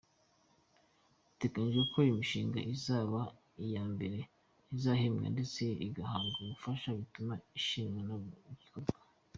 Biteganyijwe ko imishinga izaba iya mbere izahembwa ndetse igahabwa ubufasha butuma ishyirwa mu bikorwa.